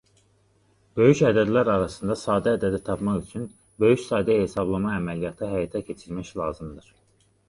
Böyük ədədlər arasında sadə ədədi tapmaq üçün böyük sayda hesablama əməliyyatı həyata keçirmək lazımdır.